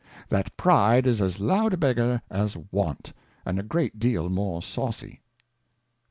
That Pride is as loud a Beggar as Want, and a great deal more Sawcy, 11.